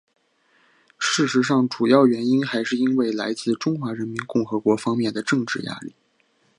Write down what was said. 事实上主要原因还是因为来自中华人民共和国方面的政治压力。